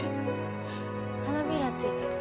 花びら付いてる。